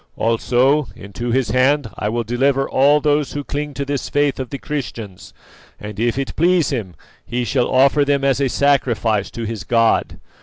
Also, into his hand I will deliver all those who cling to this faith of the Christians, and, if it pleases him, he shall offer them as a sacrifice to his god.